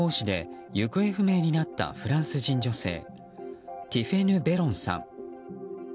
４年前、栃木県日光市で行方不明になったフランス人女性ティフェヌ・ベロンさん。